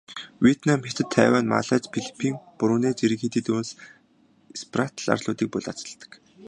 Вьетнам, Хятад, Тайвань, Малайз, Филиппин, Бруней зэрэг хэд хэдэн улс Спратл арлуудыг булаацалддаг.